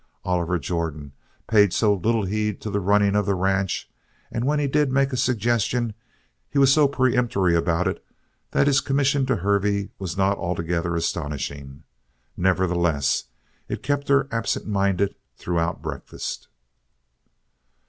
Oliver Jordan paid so little heed to the running of the ranch and when he did make a suggestion he was so peremptory about it, that this commission to Hervey was not altogether astonishing. Nevertheless, it kept her absent minded throughout breakfast.